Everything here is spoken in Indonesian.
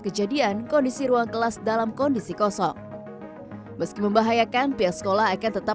kejadian kondisi ruang kelas dalam kondisi kosong meski membahayakan pihak sekolah akan tetap